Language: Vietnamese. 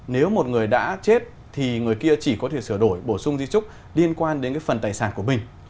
nếu một người đã chết thì người kia chỉ có thể sửa đổi bổ sung di trúc liên quan đến cái phần tài sản của mình